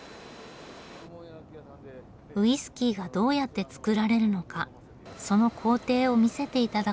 ウイスキーがどうやって造られるのかその行程を見せて頂くことに。